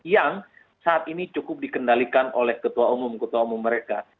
yang saat ini cukup dikendalikan oleh ketua umum ketua umum mereka